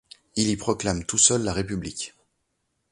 Il y proclame tout seul la République.